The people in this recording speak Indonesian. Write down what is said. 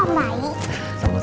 makasih om baik